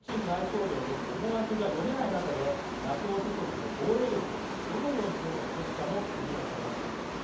またプーチン大統領の思惑が読めない中でＮＡＴＯの防衛力をどのように強化すべきかも議論されます。